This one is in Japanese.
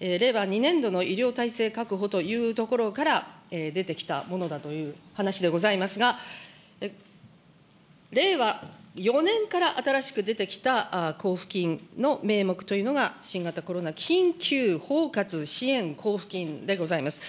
令和年度の医療体制確保というところから、出てきたものだという話でございますが、令和４年から新しく出てきた交付金の名目というのが、新型コロナ緊急包括支援交付金でございます。